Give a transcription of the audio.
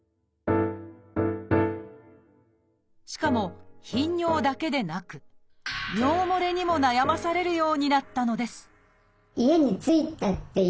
しかも頻尿だけでなく尿もれにも悩まされるようになったのです